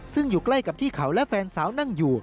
ซึ่งอยู่ใกล้กับที่เขาและแฟนสาวนั่งอยู่